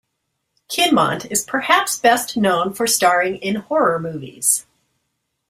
Kinmont is perhaps best known for starring in horror movies.